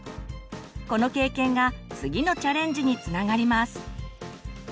この経験が次のチャレンジにつながります。